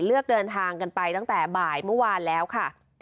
เลือกเดินทางกันไปตั้งแต่บ่ายเมื่อวานแล้วค่ะ